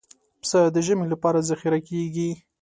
پسه د ژمي لپاره ذخیره کېږي.